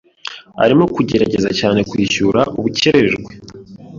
Arimo kugerageza cyane kwishyura ubukererwe.